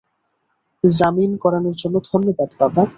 জামিন করানোর জন্য ধন্যবাদ, বাবা।